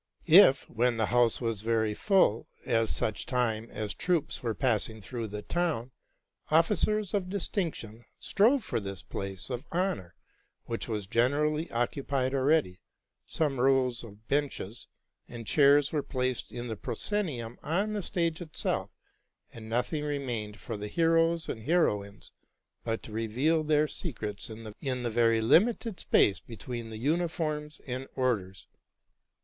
If, when the house was very full at such time as troops were passing through the town, officers of distinction strove for this place of honor, which was generally occupied already, some rows of benches and chairs were placed in the proscenium on the stage itself, and nothing re inained for the heroes and heroines but to reveal their secrets in the very limited space between the uniforms and orders.